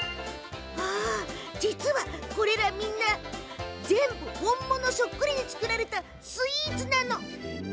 実はこれら全部本物そっくりに作られたスイーツなの！